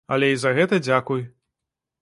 Але і за гэта дзякуй.